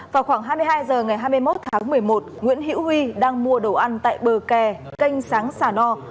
vào khoảng hai mươi hai h ngày hai mươi một tháng một mươi một nguyễn hiễu huy đang mua đồ ăn tại bờ kè cânh sáng xà no